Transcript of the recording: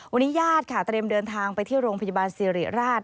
วันนี้ญาติค่ะเตรียมเดินทางไปที่โรงพยาบาลสิริราช